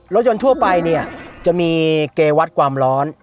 รถยนต์ทั่วไปเนี่ยจะมีเกวัตความร้อน